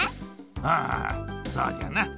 ああそうじゃな。